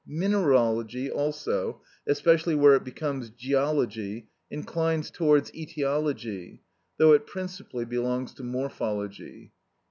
Mineralogy also, especially where it becomes geology, inclines towards etiology, though it principally belongs to morphology.